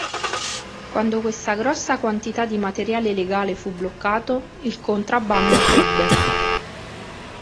Quando questa grossa quantità di materiale legale fu bloccato, il contrabbando crebbe.